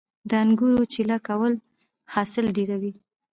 د انګورو چیله کول حاصل ډیروي